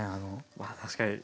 まあ確かに。